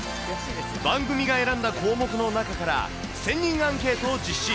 番組が選んだ項目の中から、１０００人アンケートを実施。